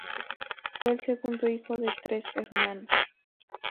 Fue el segundo hijo de tres hermanos.